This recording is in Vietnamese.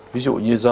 ví dụ như do